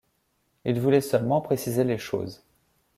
Il voulait seulement préciser les choses.